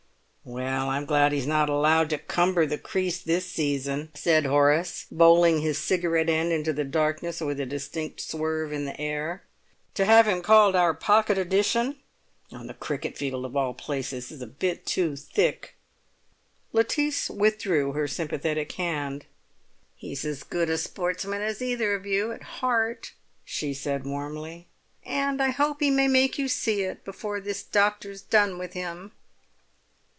"Well, I'm glad he's not allowed to cumber the crease this season," said Horace, bowling his cigarette end into the darkness with a distinct swerve in the air. "To have him called our 'pocket edition,' on the cricket field of all places, is a bit too thick." Lettice withdrew her sympathetic hand. "He's as good a sportsman as either of you, at heart," she said warmly. "And I hope he may make you see it before this doctor's done with him!"